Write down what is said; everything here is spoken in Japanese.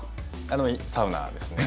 あのサウナですね。